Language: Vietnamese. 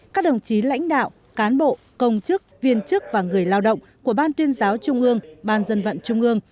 các đồng chí lãnh đạo cán bộ công chức viên chức và người lao động của ban tuyên giáo trung ương ban dân vận trung ương